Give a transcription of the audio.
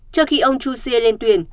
trước khi ông chu xie lên tuyển